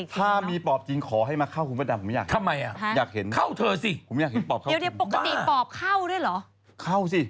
อ๋อก็เลยหลายตายอีก